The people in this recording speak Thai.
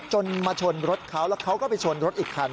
มาชนรถเขาแล้วเขาก็ไปชนรถอีกคัน